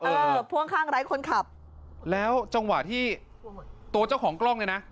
พ่วงข้างไร้คนขับแล้วจังหวะที่ตัวเจ้าของกล้องเนี่ยนะ